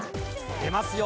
出ますよ。